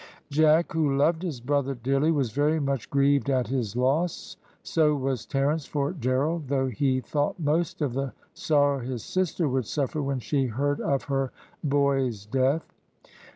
Jack, who loved his brother dearly, was very much grieved at his loss; so was Terence for Gerald, though he thought most of the sorrow his sister would suffer when she heard of her boy's death.